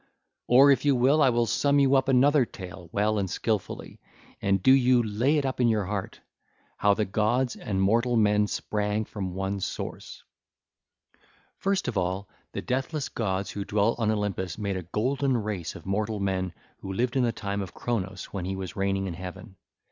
106 108) Or if you will, I will sum you up another tale well and skilfully—and do you lay it up in your heart,—how the gods and mortal men sprang from one source. (ll. 109 120) First of all the deathless gods who dwell on Olympus made a golden race of mortal men who lived in the time of Cronos when he was reigning in heaven.